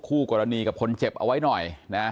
คู่กรณีกับคนเจ็บเอาไว้หน่อยนะ